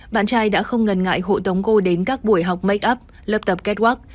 bạn trai đã không ngần ngại hộ tống cô đến các buổi học make up lập tập catwalk